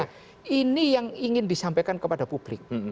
nah ini yang ingin disampaikan kepada publik